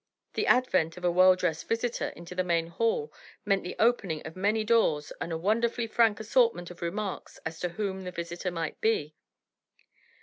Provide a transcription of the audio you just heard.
The advent of a well dressed visitor into the main hall meant the opening of many doors and a wonderfully frank assortment of remarks as to whom the visitor might be.